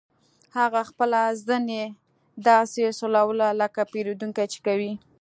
هغه خپله زنې داسې سولوله لکه پیرودونکي چې کوي